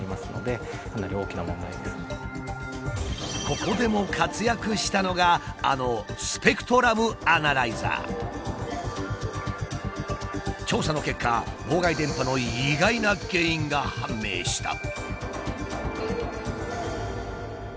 ここでも活躍したのがあの調査の結果妨害電波の意外な原因が判明した。